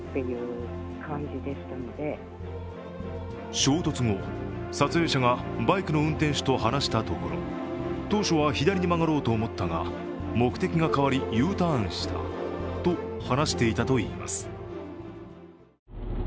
衝突後、撮影者がバイクの運転手と話したところ、当初は左に曲がろうと思ったが、目的が変わりＵターンしたと話していたといいます。